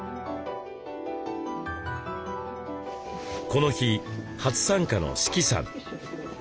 この日初参加の志岐さん。